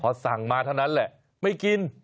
พอสั่งมาเท่านั้นแหละไม่กิน